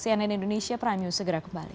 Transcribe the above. cnn indonesia prime news segera kembali